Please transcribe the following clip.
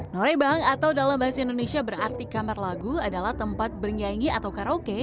norebang atau dalam bahasa indonesia berarti kamar lagu adalah tempat bernyanyi atau karaoke